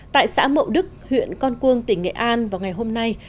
tại xã mậu đức huyện con cuông tỉnh nghệ an vào ngày hôm nay